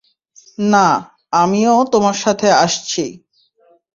না, আমিও তোমার সাথে আসছি।